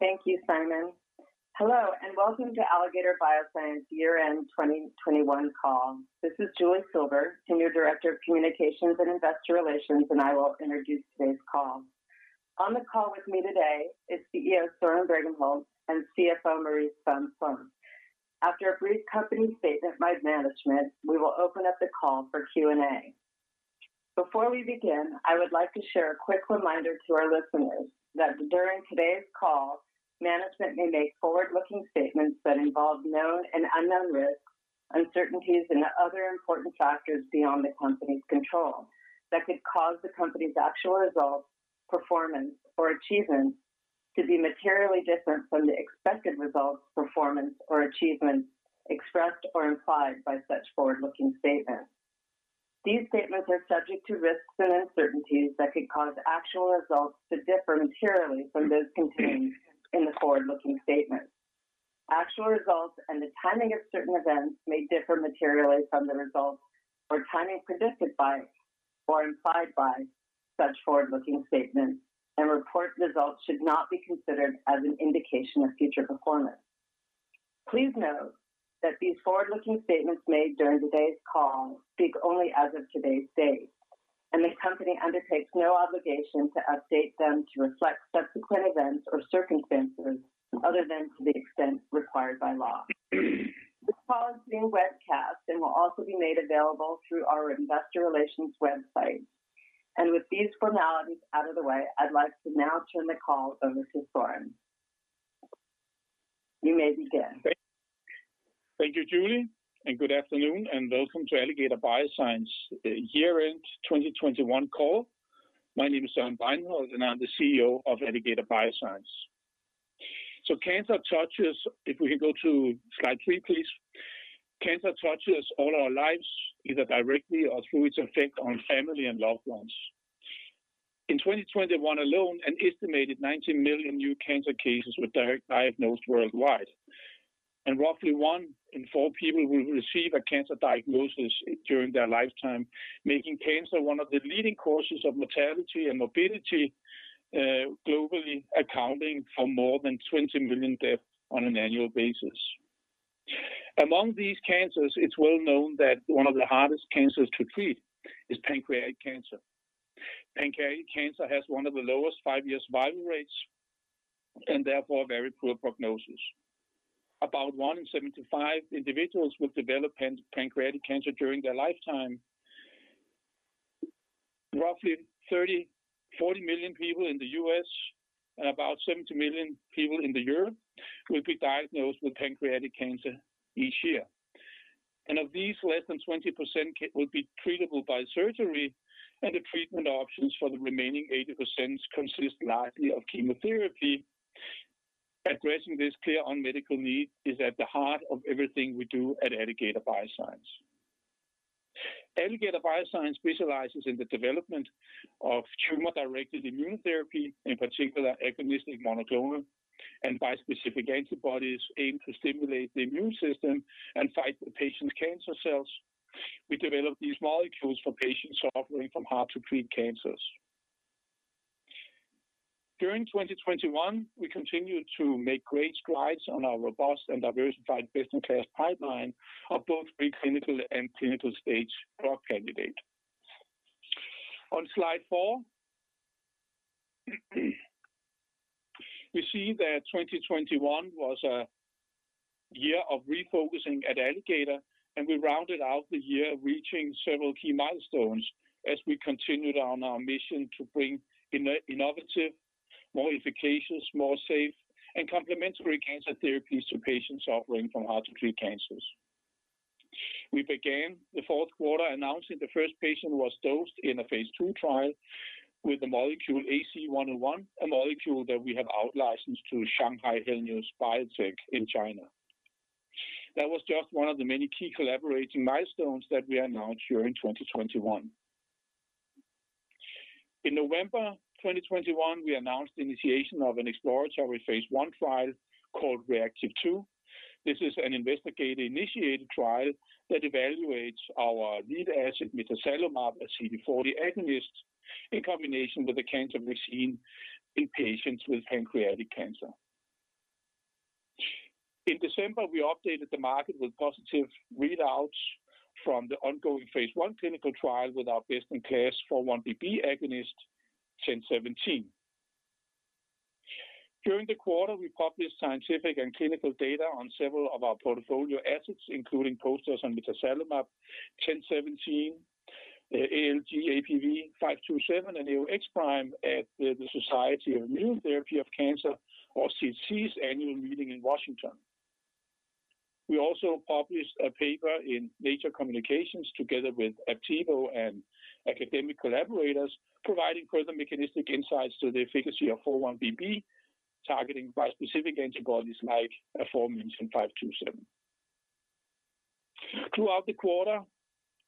Thank you, Simon. Hello, and welcome to Alligator Bioscience year-end 2021 call. This is Julie Silber, Senior Director of Communications and Investor Relations, and I will introduce today's call. On the call with me today is CEO Søren Bregenholt and CFO Marie Svensson. After a brief company statement by management, we will open up the call for Q&A. Before we begin, I would like to share a quick reminder to our listeners that during today's call, management may make forward-looking statements that involve known and unknown risks, uncertainties, and other important factors beyond the company's control that could cause the company's actual results, performance, or achievements to be materially different from the expected results, performance, or achievements expressed or implied by such forward-looking statements. These statements are subject to risks and uncertainties that could cause actual results to differ materially from those contained in the forward-looking statement. Actual results and the timing of certain events may differ materially from the results or timing predicted by or implied by such forward-looking statements, and reported results should not be considered as an indication of future performance. Please note that these forward-looking statements made during today's call speak only as of today's date, and the company undertakes no obligation to update them to reflect subsequent events or circumstances other than to the extent required by law. This call is being webcast and will also be made available through our investor relations website. With these formalities out of the way, I'd like to now turn the call over to Søren. You may begin. Thank you, Julie, and good afternoon, and welcome to Alligator Bioscience year-end 2021 call. My name is Søren Bregenholt, and I'm the CEO of Alligator Bioscience. If we could go to slide three, please. Cancer touches all our lives, either directly or through its effect on family and loved ones. In 2021 alone, an estimated 90 million new cancer cases were diagnosed worldwide. Roughly one in four people will receive a cancer diagnosis during their lifetime, making cancer one of the leading causes of mortality and morbidity globally, accounting for more than 20 million deaths on an annual basis. Among these cancers, it's well known that one of the hardest cancers to treat is pancreatic cancer. Pancreatic cancer has one of the lowest five-year survival rates and therefore very poor prognosis. About one in 75 individuals will develop pancreatic cancer during their lifetime. Roughly 30-40 million people in the U.S. and about 70 million people in Europe will be diagnosed with pancreatic cancer each year. Of these, less than 20% will be treatable by surgery, and the treatment options for the remaining 80% consist largely of chemotherapy. Addressing this clear unmet medical need is at the heart of everything we do at Alligator Bioscience. Alligator Bioscience specializes in the development of tumor-directed immune therapy, in particular agonistic monoclonal and bispecific antibodies aimed to stimulate the immune system and fight the patient's cancer cells. We develop these molecules for patients suffering from hard-to-treat cancers. During 2021, we continued to make great strides on our robust and diversified best-in-class pipeline of both pre-clinical and clinical stage drug candidate. On slide four, we see that 2021 was a year of refocusing at Alligator, and we rounded out the year reaching several key milestones as we continued on our mission to bring innovative, more efficacious, more safe, and complementary cancer therapies to patients suffering from hard-to-treat cancers. We began the Q4 announcing the first patient was dosed in a phase II trial with the molecule AC101, a molecule that we have outlicensed to Shanghai Henlius Biotech in China. That was just one of the many key collaboration milestones that we announced during 2021. In November 2021, we announced the initiation of an exploratory phase I trial called REACtiVe-2. This is an investigator-initiated trial that evaluates our lead asset mitazalimab, a CD40 agonist, in combination with a cancer vaccine in patients with pancreatic cancer. In December, we updated the market with positive readouts from the ongoing phase I clinical trial with our best-in-class 4-1BB agonist, ATOR-1017. During the quarter, we published scientific and clinical data on several of our portfolio assets, including posters on mitazalimab, ATOR-1017, ALG.APV-527, and Neo-X-Prime at the Society for Immunotherapy of Cancer, or SITC's Annual Meeting in Washington. We also published a paper in Nature Communications together with AbbVie and academic collaborators, providing further mechanistic insights to the efficacy of 4-1BB-targeting bispecific antibodies like aforementioned 527. Throughout the quarter,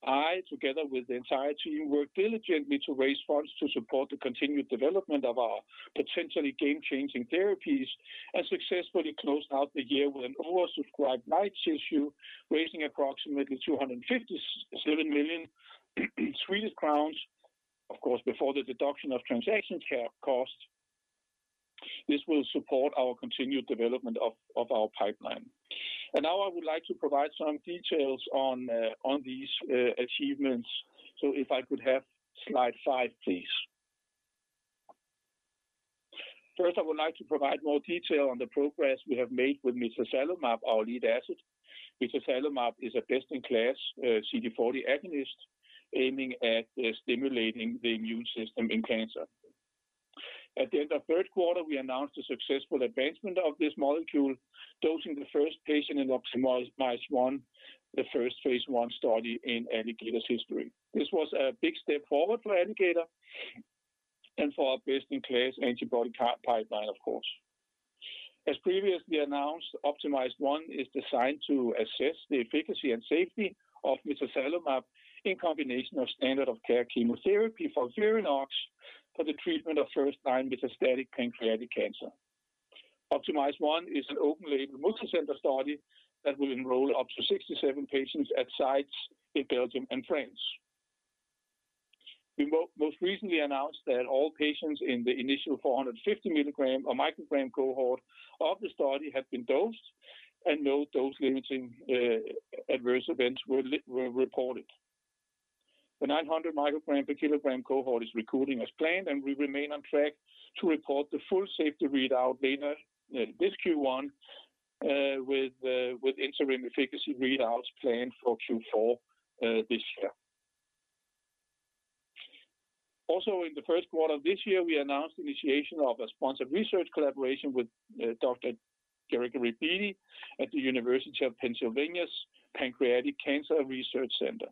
I, together with the entire team, worked diligently to raise funds to support the continued development of our potentially game-changing therapies and successfully closed out the year with an oversubscribed rights issue, raising approximately 257 million Swedish crowns, of course, before the deduction of transaction costs. This will support our continued development of our pipeline. Now I would like to provide some details on these achievements. If I could have slide five, please. First, I would like to provide more detail on the progress we have made with mitazalimab, our lead asset. Mitazalimab is a best-in-class CD40 agonist aiming at stimulating the immune system in cancer. At the end of Q3, we announced the successful advancement of this molecule, dosing the first patient in OPTIMIZE-1, the first phase I study in Alligator's history. This was a big step forward for Alligator and for our best-in-class antibody CAR pipeline, of course. As previously announced, OPTIMIZE-1 is designed to assess the efficacy and safety of mitazalimab in combination with standard-of-care chemotherapy FOLFIRINOX for the treatment of first-line metastatic pancreatic cancer. OPTIMIZE-1 is an open-label, multicenter study that will enroll up to 67 patients at sites in Belgium and France. We most recently announced that all patients in the initial 450 microgram cohort of the study had been dosed and no dose-limiting adverse events were reported. The 900 microgram per kilogram cohort is recruiting as planned, and we remain on track to report the full safety readout later this Q1, with interim efficacy readouts planned for Q4 this year. In the Q1 this year, we announced initiation of a sponsored research collaboration with Dr. Gregory L. Beatty at the University of Pennsylvania's Penn Pancreatic Cancer Research Center.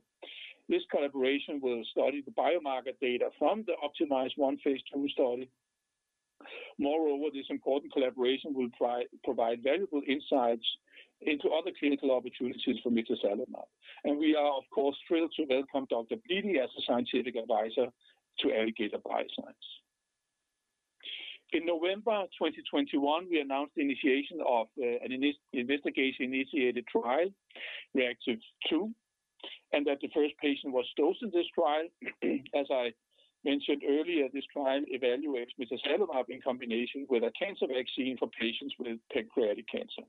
This collaboration will study the biomarker data from the OPTIMIZE-1 phase II study. Moreover, this important collaboration will provide valuable insights into other clinical opportunities for mitazalimab. We are, of course, thrilled to welcome Dr. Gregory L. Beatty as a scientific advisor to Alligator Bioscience. In November 2021, we announced the initiation of an investigator-initiated trial, REACtiVe-2, and that the first patient was dosed in this trial. As I mentioned earlier, this trial evaluates mitazalimab in combination with a cancer vaccine for patients with pancreatic cancer.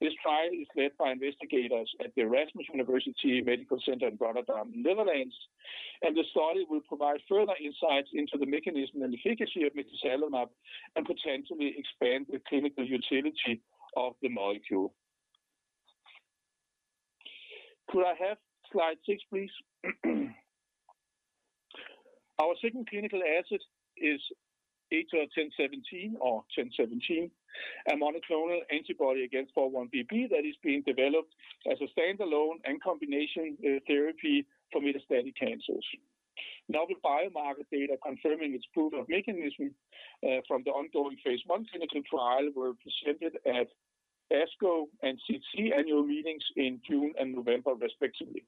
This trial is led by investigators at the Erasmus University Medical Center in Rotterdam, Netherlands. The study will provide further insights into the mechanism and efficacy of mitazalimab and potentially expand the clinical utility of the molecule. Could I have slide six, please? Our second clinical asset is ATOR-1017 or 1017, a monoclonal antibody against 4-1BB that is being developed as a standalone and combination therapy for metastatic cancers. Novel biomarker data confirming its proof of mechanism from the ongoing phase I clinical trial were presented at ASCO and SITC annual meetings in June and November respectively.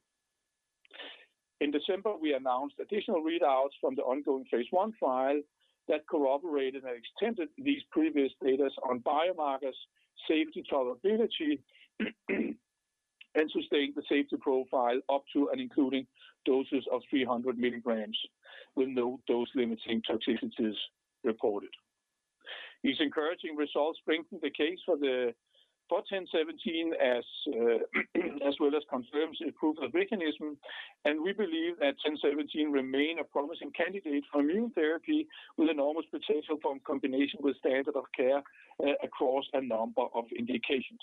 In December, we announced additional readouts from the ongoing phase I trial that corroborated and extended these previous data on biomarkers, safety, tolerability, and sustaining the safety profile up to and including doses of 300 milligrams with no dose-limiting toxicities reported. These encouraging results strengthen the case for ATOR-1017 as well as confirms the proof of mechanism, and we believe that ATOR-1017 remain a promising candidate for immune therapy with enormous potential for combination with standard of care across a number of indications.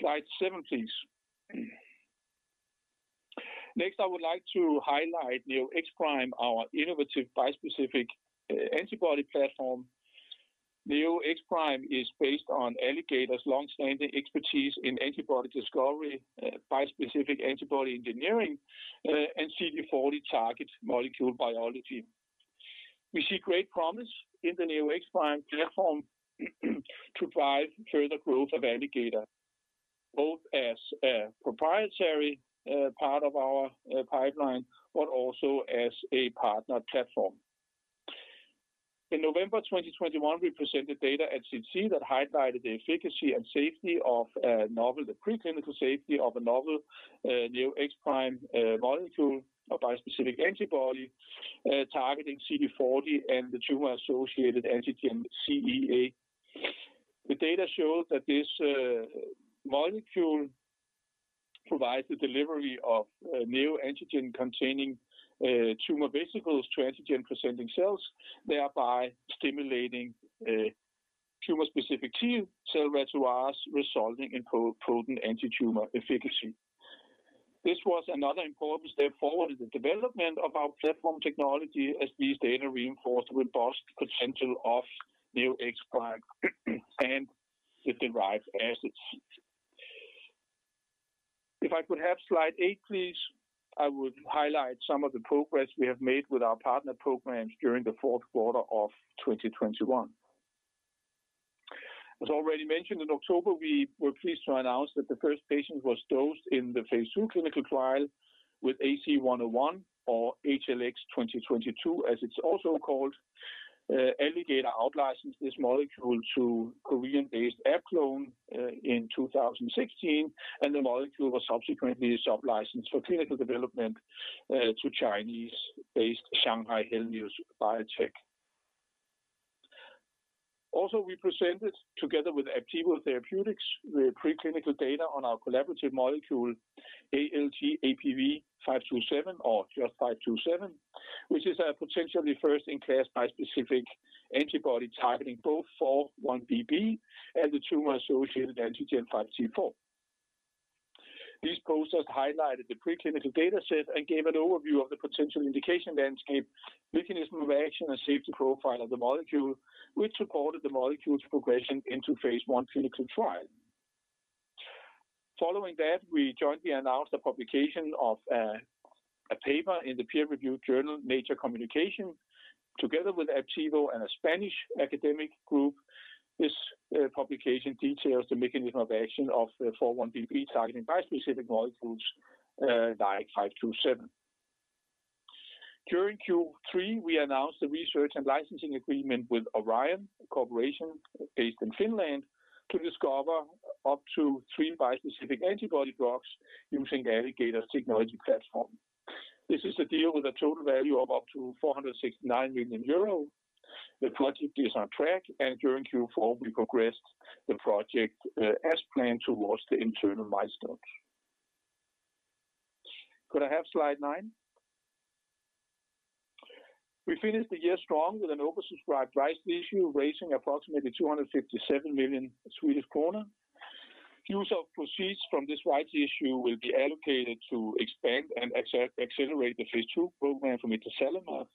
Slide seven, please. Next, I would like to highlight Neo-X-Prime, our innovative bispecific antibody platform. Neo-X-Prime is based on Alligator's long-standing expertise in antibody discovery, bispecific antibody engineering, and CD40 target molecule biology. We see great promise in the Neo-X-Prime platform to drive further growth of Alligator, both as a proprietary part of our pipeline, but also as a partner platform. In November 2021, we presented data at SITC that highlighted the efficacy and safety of novel... the preclinical safety of a novel, Neo-X-Prime, molecule, a bispecific antibody, targeting CD40 and the tumor-associated antigen CEA. The data showed that this molecule provides the delivery of neoantigen-containing tumor vesicles to antigen-presenting cells, thereby stimulating a tumor-specific T cell repertoire, resulting in potent antitumor efficacy. This was another important step forward in the development of our platform technology, as these data reinforce the robust potential of Neo-X-Prime and the derived assets. If I could have slide eight, please, I would highlight some of the progress we have made with our partner programs during the Q4 of 2021. As already mentioned, in October, we were pleased to announce that the first patient was dosed in the phase II clinical trial with AC101, or HLX22, as it's also called. Alligator outlicensed this molecule to Korean-based AbClon in 2016, and the molecule was subsequently sublicensed for clinical development to Chinese-based Shanghai Henlius Biotech. Also, we presented together with Aptevo Therapeutics, the preclinical data on our collaborative molecule, ALG.APV-527 or just 527, which is a potentially first-in-class bispecific antibody targeting both 4-1BB and the tumor-associated antigen 5T4. These posters highlighted the preclinical data set and gave an overview of the potential indication landscape, mechanism of action, and safety profile of the molecule, which supported the molecule's progression into phase I clinical trial. Following that, we jointly announced the publication of a paper in the peer-reviewed journal Nature Communications, together with Aptevo and a Spanish academic group. This publication details the mechanism of action of the 4-1BB targeting bispecific molecules like 527. During Q3, we announced the research and licensing agreement with Orion Corporation, based in Finland, to discover up to three bispecific antibody drugs using Alligator's technology platform. This is a deal with a total value of up to 469 million euro. The project is on track, and during Q4, we progressed the project as planned towards the internal milestones. Could I have slide nine? We finished the year strong with an oversubscribed rights issue, raising approximately 257 million Swedish kronor. Use of proceeds from this rights issue will be allocated to expand and accelerate the phase II program for mitazalimab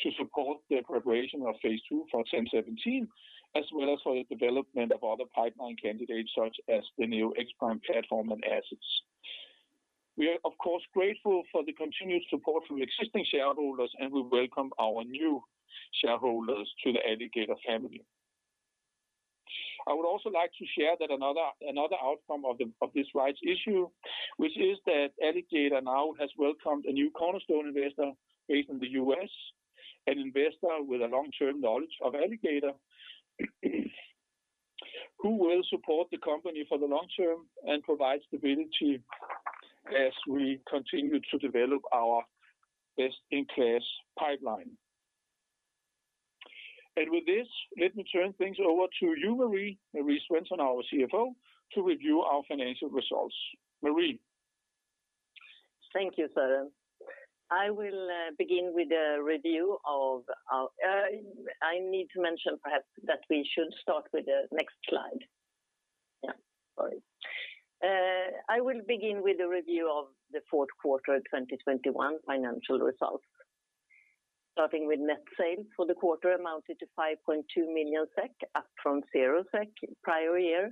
to support the preparation of phase II for ATOR-1017 as well as for the development of other pipeline candidates, such as the Neo-X-Prime platform and assets. We are, of course, grateful for the continued support from existing shareholders, and we welcome our new shareholders to the Alligator family. I would also like to share that another outcome of this rights issue, which is that Alligator now has welcomed a new cornerstone investor based in the U.S., an investor with a long-term knowledge of Alligator, who will support the company for the long term and provide stability as we continue to develop our best-in-class pipeline. With this, let me turn things over to you, Marie Svensson, our CFO, to review our financial results. Marie. Thank you, Søren. I need to mention perhaps that we should start with the next slide. I will begin with a review of the Q4 of 2021 financial results. Starting with net sales for the quarter amounted to 5.2 million SEK, up from 0 SEK prior year.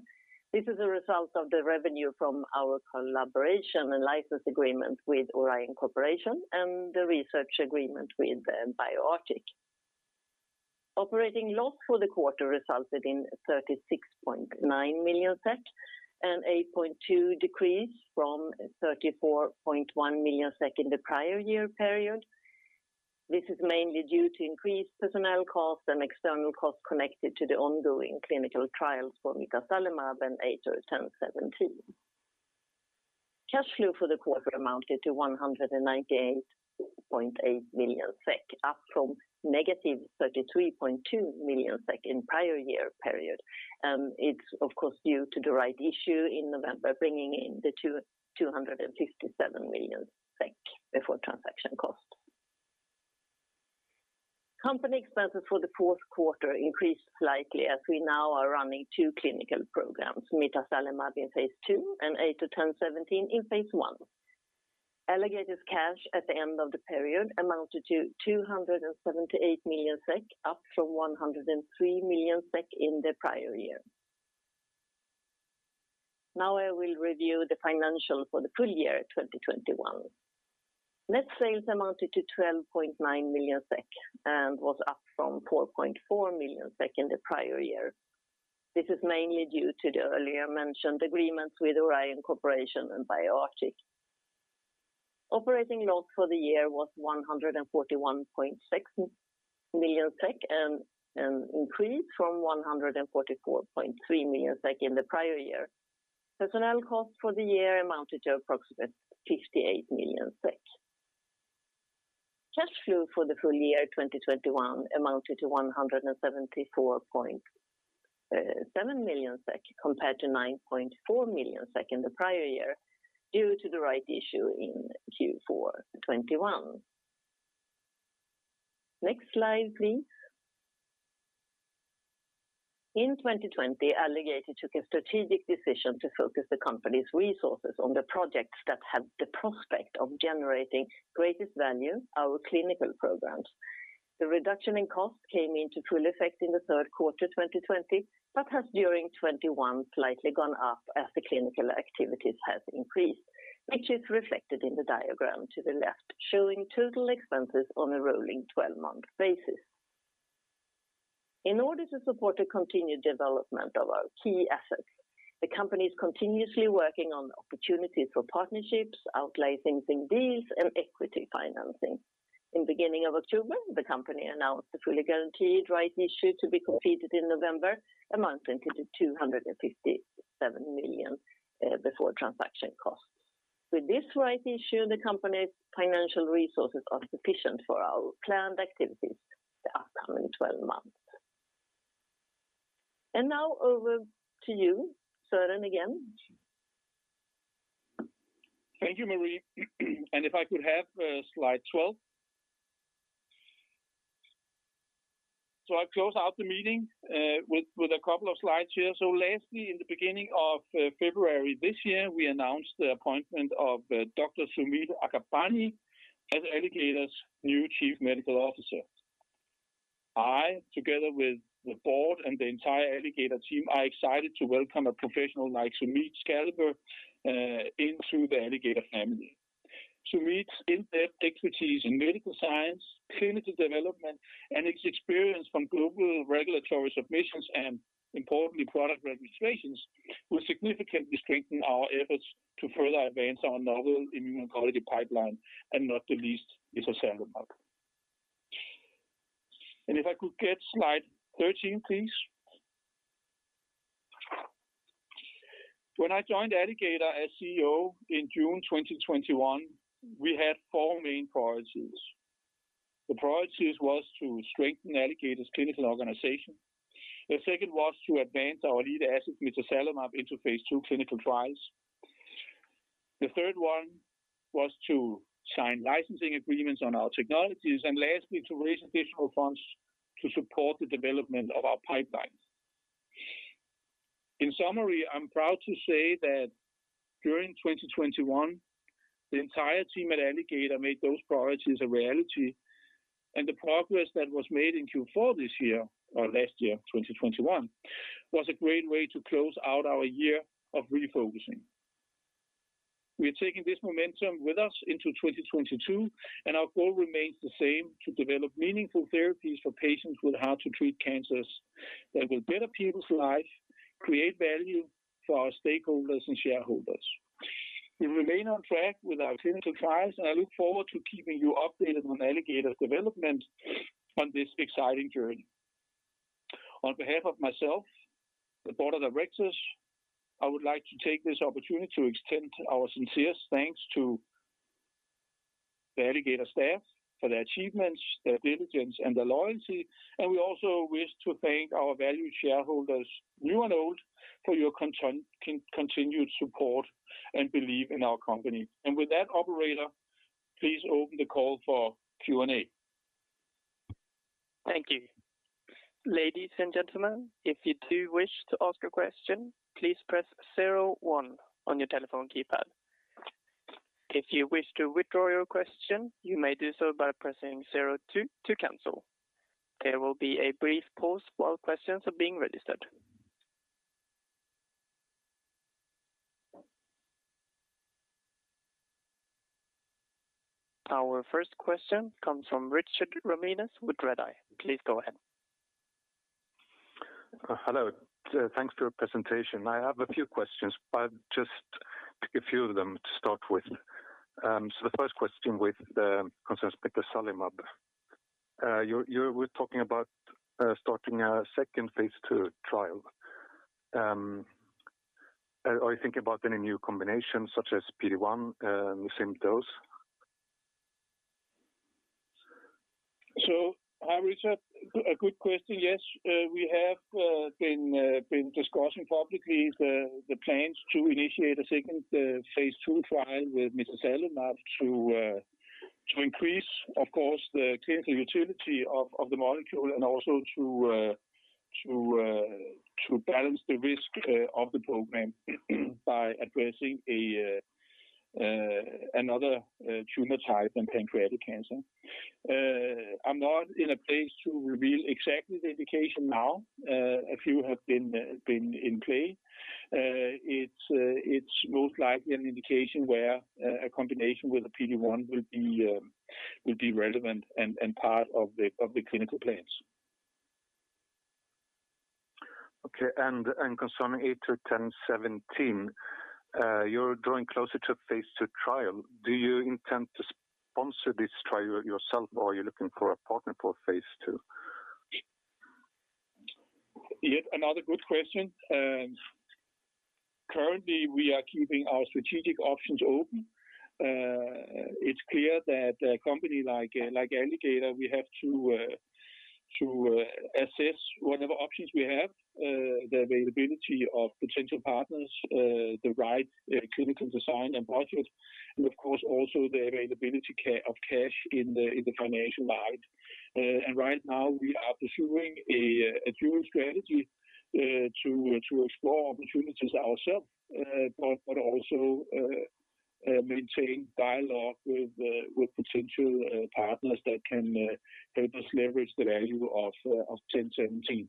This is a result of the revenue from our collaboration and license agreement with Orion Corporation and the research agreement with Biotheus. Operating loss for the quarter resulted in 36.9 million SEK, an 8.2 decrease from 34.1 million SEK in the prior year period. This is mainly due to increased personnel costs and external costs connected to the ongoing clinical trials for mitazalimab and ATOR-1017. Cash flow for the quarter amounted to 198.8 million SEK, up from -33.2 million SEK in prior year period. It's of course due to the rights issue in November, bringing in 257 million SEK before transaction costs. Company expenses for the Q4 increased slightly as we now are running two clinical programs, mitazalimab in phase II and ATOR-1017 in phase I. Alligator's cash at the end of the period amounted to 278 million SEK, up from 103 million SEK in the prior year. Now I will review the financials for the full year 2021. Net sales amounted to 12.9 million SEK and was up from 4.4 million SEK in the prior year. This is mainly due to the earlier mentioned agreements with Orion Corporation and Biotheus. Operating loss for the year was 141.6 million SEK and an increase from 144.3 million SEK in the prior year. Personnel costs for the year amounted to approximately 58 million SEK. Cash flow for the full year 2021 amounted to 174.7 million SEK compared to 9.4 million SEK in the prior year due to the rights issue in Q4 2021. Next slide, please. In 2020, Alligator took a strategic decision to focus the company's resources on the projects that have the prospect of generating greatest value, our clinical programs. The reduction in costs came into full effect in the Q3 2020, but has during 2021 slightly gone up as the clinical activities has increased, which is reflected in the diagram to the left, showing total expenses on a rolling 12-month basis. In order to support the continued development of our key assets, the company is continuously working on opportunities for partnerships, out licensing deals, and equity financing. In beginning of October, the company announced a fully guaranteed rights issue to be completed in November, amounting to 257 million before transaction costs. With this right issue, the company's financial resources are sufficient for our planned activities the upcoming 12 months. Now over to you, Søren, again. Thank you, Marie. If I could have slide 12. I close out the meeting with a couple of slides here. Lastly, in the beginning of February this year, we announced the appointment of Dr. Sumeet Ambarkhane as Alligator's new Chief Medical Officer. I, together with the board and the entire Alligator team, are excited to welcome a professional like Sumeet's caliber into the Alligator family. Sumeet's in-depth expertise in medical science, clinical development, and his experience from global regulatory submissions and importantly product registrations will significantly strengthen our efforts to further advance our novel immunology pipeline, and not the least, mitazalimab. If I could get slide 13, please. When I joined Alligator as CEO in June 2021, we had four main priorities. The priorities was to strengthen Alligator's clinical organization. The second was to advance our lead asset, mitazalimab, into phase II clinical trials. The third one was to sign licensing agreements on our technologies, and lastly, to raise additional funds to support the development of our pipeline. In summary, I'm proud to say that during 2021, the entire team at Alligator made those priorities a reality, and the progress that was made in Q4 this year or last year, 2021, was a great way to close out our year of refocusing. We are taking this momentum with us into 2022, and our goal remains the same, to develop meaningful therapies for patients with hard to treat cancers that will better people's life, create value for our stakeholders and shareholders. We remain on track with our clinical trials, and I look forward to keeping you updated on Alligator's development on this exciting journey. On behalf of myself, the board of directors, I would like to take this opportunity to extend our sincerest thanks to the Alligator staff for their achievements, their diligence, and their loyalty, and we also wish to thank our valued shareholders, new and old, for your continued support and belief in our company. With that, operator, please open the call for Q&A. Thank you. Our first question comes from Richard Ramanius with Redeye. Please go ahead. Hello. Thanks for your presentation. I have a few questions, but just a few of them to start with. The first question concerns mitazalimab. You were talking about starting a second phase II trial. Are you thinking about any new combinations such as PD-1, same dose? Hi Richard. Good question. Yes, we have been discussing publicly the plans to initiate a second phase II trial with mitazalimab to increase, of course, the clinical utility of the molecule and also to balance the risk of the program by addressing another tumor type than pancreatic cancer. I'm not in a place to reveal exactly the indication now. A few have been in play. It's most likely an indication where a combination with a PD-1 will be relevant and part of the clinical plans. Concerning ATOR-1017, you're drawing closer to a phase II trial. Do you intend to sponsor this trial yourself, or are you looking for a partner for phase II? Yet another good question. Currently we are keeping our strategic options open. It's clear that a company like Alligator, we have to assess whatever options we have, the availability of potential partners, the right clinical design and budget, and of course, also the availability of cash in the financial market. Right now we are pursuing a dual strategy to explore opportunities ourselves, but also maintain dialogue with potential partners that can help us leverage the value of ATOR-1017.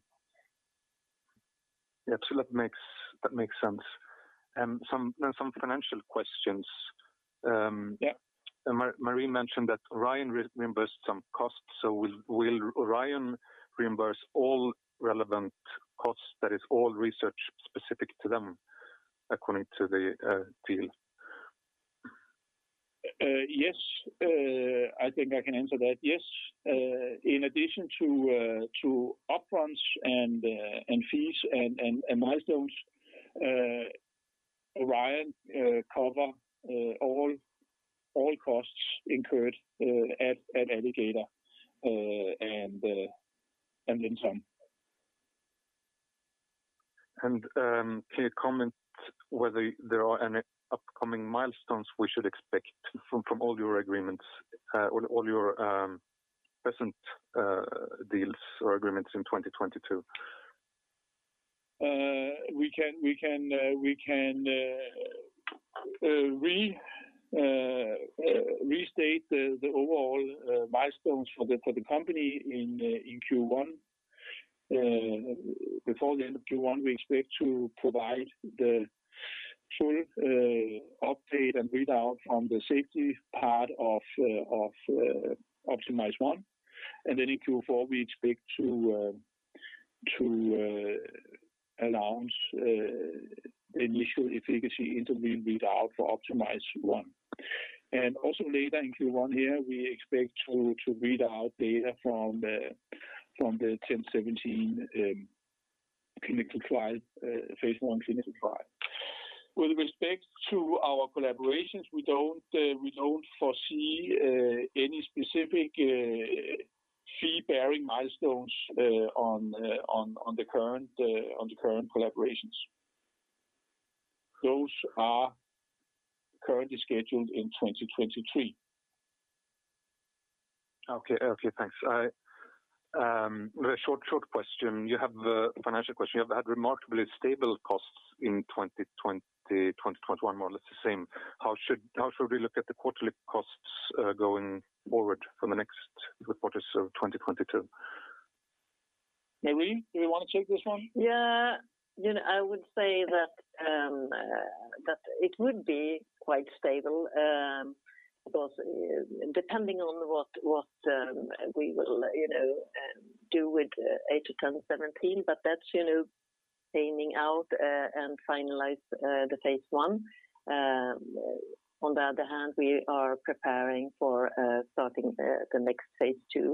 Yeah, that makes sense. Now some financial questions. Yeah. Marie mentioned that Orion reimburses some costs. Will Orion reimburse all relevant costs, that is all research specific to them according to the deal? Yes. I think I can answer that, yes. In addition to upfronts and fees and milestones, Orion cover all costs incurred at Alligator and then some. Can you comment whether there are any upcoming milestones we should expect from all your agreements or all your present deals or agreements in 2022? We can restate the overall milestones for the company in Q1. Before the end of Q1, we expect to provide the full update and readout on the safety part of OPTIMIZE-1. In Q4, we expect to announce initial efficacy interim readout for OPTIMIZE-1. Later in Q1 here, we expect to read out data from the ATOR-1017 phase I clinical trial. With respect to our collaborations, we don't foresee any specific fee-bearing milestones on the current collaborations. Those are currently scheduled in 2023. Thanks. I have a very short question. It's a financial question. You have had remarkably stable costs in 2020, 2021, more or less the same. How should we look at the quarterly costs going forward from the next quarters of 2022? Marie, do you want to take this one? Yeah. You know, I would say that that it would be quite stable, because depending on what what we will, you know, do with ATOR-1017, but that's, you know, panning out, and finalize the phase I. On the other hand, we are preparing for starting the the next phase II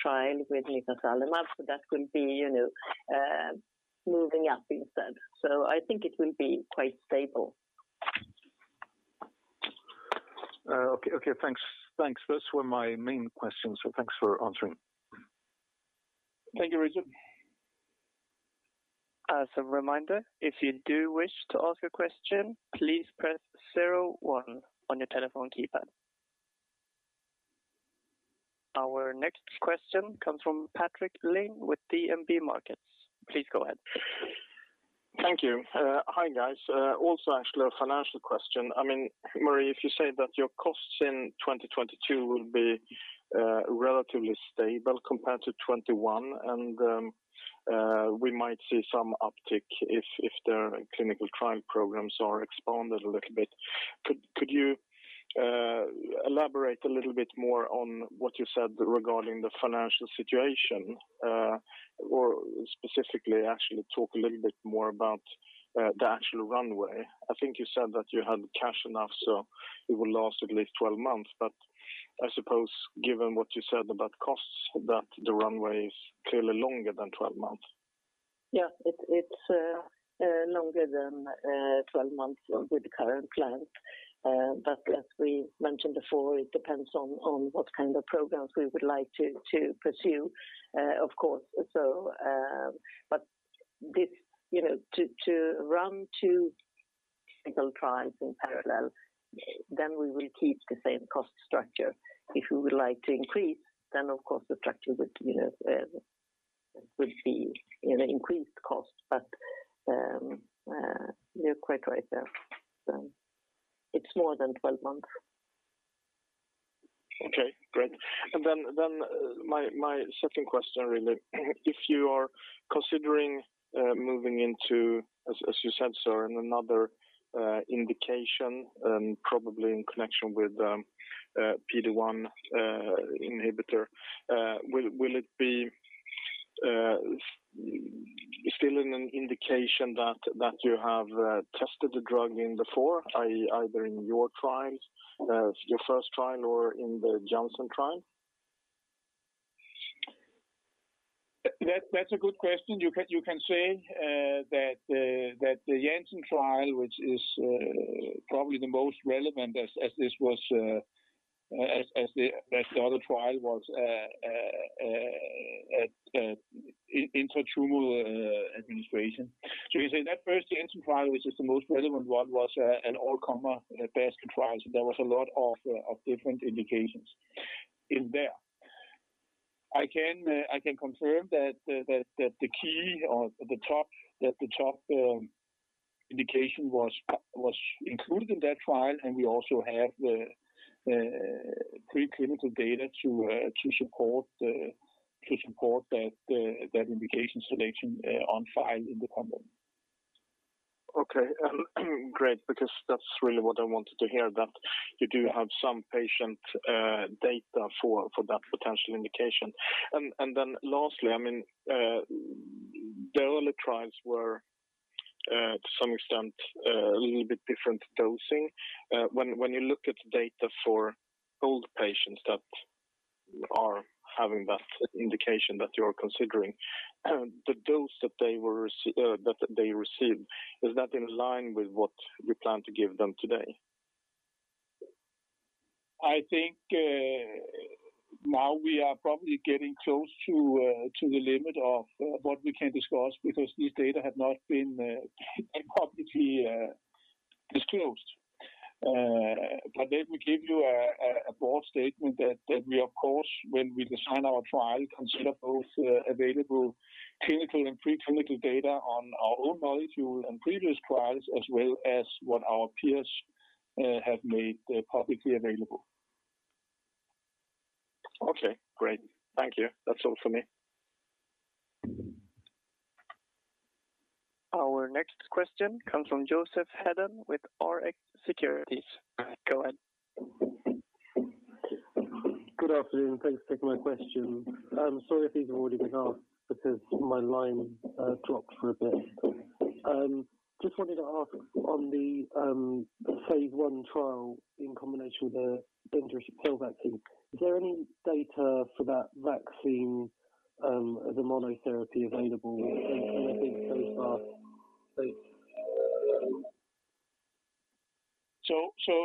trial with mitazalimab. That will be, you know, moving up instead. I think it will be quite stable. Okay, thanks. Those were my main questions. Thanks for answering. Thank you, Richard Ramanius. As a reminder, if you do wish to ask a question, please press zero one on your telephone keypad. Our next question comes from Patrik Ling with DNB Markets. Please go ahead. Thank you. Hi, guys. Also actually a financial question. I mean, Marie, if you say that your costs in 2022 will be relatively stable compared to 2021, and we might see some uptick if the clinical trial programs are expanded a little bit. Could you elaborate a little bit more on what you said regarding the financial situation? Specifically actually talk a little bit more about the actual runway. I think you said that you had cash enough, so it will last at least 12 months. I suppose given what you said about costs, that the runway is clearly longer than 12 months. Yeah. It's longer than 12 months with the current plan. As we mentioned before, it depends on what kind of programs we would like to pursue, of course. This, you know, to run two clinical trials in parallel, then we will keep the same cost structure. If we would like to increase, then of course the structure would, you know, be, you know, increased cost. You're quite right there. It's more than 12 months. Okay, great. My second question really, if you are considering moving into, as you said, sir, in another indication and probably in connection with PD-1 inhibitor, will it be still in an indication that you have tested the drug in before, i.e., either in your trials, your first trial or in the Janssen trial? That's a good question. You can say that the Janssen trial, which is probably the most relevant as this was, as the other trial was, intratumoral administration. You say that first Janssen trial, which is the most relevant one, was an all-comer basket trial. There was a lot of different indications in there. I can confirm that the key or the top indication was included in that trial. We also have the preclinical data to support that indication selection on file in the company. Okay. Great, because that's really what I wanted to hear, that you do have some patient data for that potential indication. Then lastly, I mean, the earlier trials were to some extent a little bit different dosing. When you look at the data for all patients that are having that indication that you're considering, the dose that they received is that in line with what you plan to give them today? I think now we are probably getting close to the limit of what we can discuss because this data has not been publicly disclosed. Let me give you a broad statement that we, of course, when we design our trial, consider both available clinical and pre-clinical data on our own molecule and previous trials, as well as what our peers have made publicly available. Okay, great. Thank you. That's all for me. Our next question comes from Joseph Hedden with Rx Securities. Go ahead. Good afternoon. Thanks for taking my question. I'm sorry if these have already been asked because my line dropped for a bit. Just wanted to ask on the phase I trial in combination with the dendritic cell vaccine. Is there any data for that vaccine, the monotherapy available in I think so far?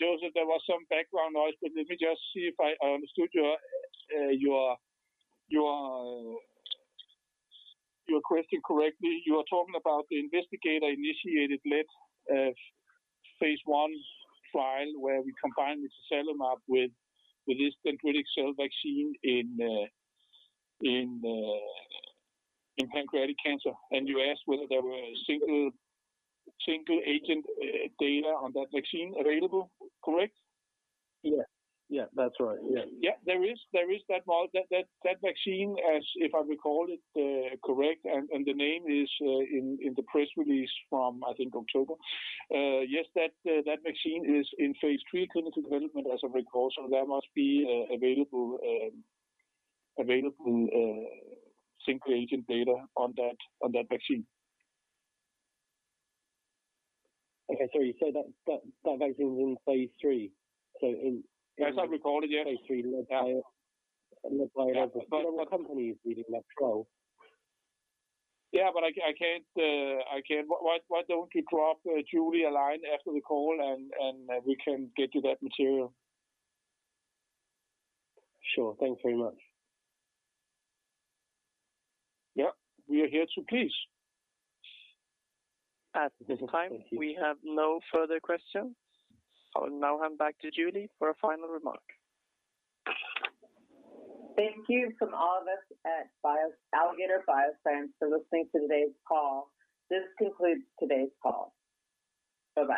Joseph, there was some background noise, but let me just see if I understood your question correctly. You are talking about the investigator-initiated led phase I trial where we combined the mitazalimab with the dendritic cell vaccine in pancreatic cancer. You asked whether there were single-agent data on that vaccine available, correct? Yeah. Yeah, that's right. Yeah. Yeah. There is that vaccine as I recall it correctly, and the name is in the press release from, I think, October. Yes, that vaccine is in phase III clinical development as a precursor. There must be available single-agent data on that vaccine. Okay. You say that vaccine was in phase III. That's how I recall it, yes. phase III. Yeah. I don't know what company is leading that trial. Yeah, I can't. Why don't you drop Julie a line after the call, and we can get you that material. Sure. Thank you very much. Yeah. We are here to please. At this time, we have no further questions. I will now hand back to Julie for a final remark. Thank you from all of us at Alligator Bioscience for listening to today's call. This concludes today's call. Bye-bye.